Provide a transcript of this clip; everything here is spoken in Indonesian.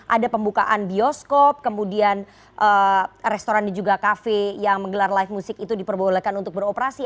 ada pembukaan bioskop kemudian restoran dan juga kafe yang menggelar live music itu diperbolehkan untuk beroperasi